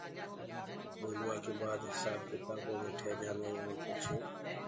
ٻولوآ ڪي بآد هسآب ڪتآبو مي ٺيجآندآئين اور پڇي